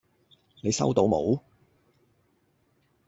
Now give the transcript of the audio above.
你收到冇？